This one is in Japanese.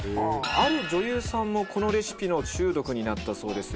ある女優さんもこのレシピの中毒になったそうです。